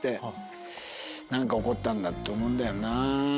何か怒ったんだと思うんだよな。